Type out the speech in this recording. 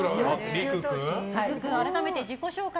改めて自己紹介